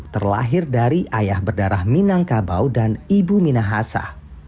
terlahir dari ayah berdarah minangkabau dan ibu minahasa